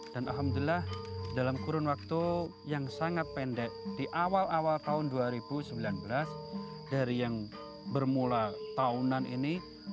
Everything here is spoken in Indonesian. dan alhamdulillah dalam kurun waktu yang sangat pendek di awal awal tahun dua ribu sembilan belas dari yang bermula tahunan ini